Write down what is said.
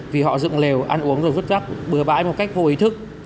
vì họ dựng lều ăn uống rồi vứt rác bừa bãi một cách vô ý thức